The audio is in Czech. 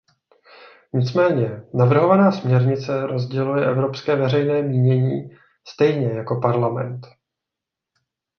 Nicméně navrhovaná směrnice rozděluje evropské veřejné mínění stejně jako Parlament.